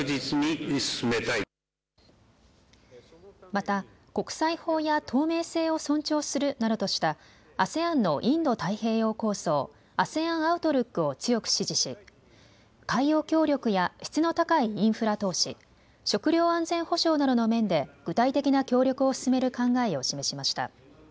また国際法や透明性を尊重するなどとしたＡＳＥＡＮのインド太平洋構想、ＡＳＥＡＮアウトルックを強く支持し海洋協力や質の高いインフラ投資、食料安全保障などの面で具体的な協力を進める考えを示しました。